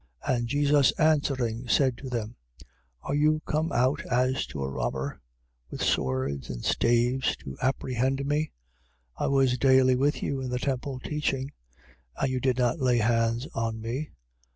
14:48. And Jesus answering, said to them: Are you come out as to a robber, with swords and staves to apprehend me? 14:49. I was daily with you in the temple teaching: and you did not lay hands on me.